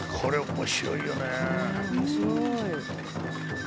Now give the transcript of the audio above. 面白い。